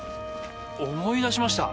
思い出しました。